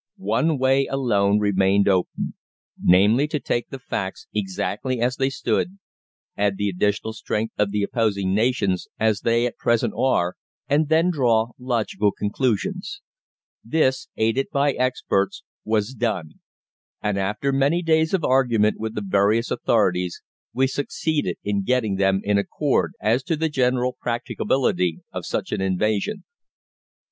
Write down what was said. One way alone remained open namely, to take the facts exactly as they stood, add the additional strength of the opposing nations as they at present are, and then draw logical conclusions. This, aided by experts, was done: and after many days of argument with the various authorities, we succeeded in getting them in accord as to the general practicability of an invasion.